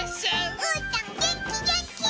うーたんげんきげんき！